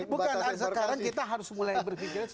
bukan sekarang kita harus mulai berpikir